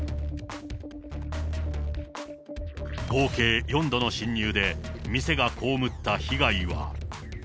合計４度の侵入で、店が被った被害は。